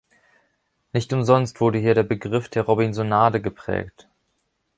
Nicht umsonst wurde hier der Begriff der „Robinsonade“ geprägt.